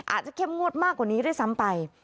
เข้มงวดมากกว่านี้ด้วยซ้ำไป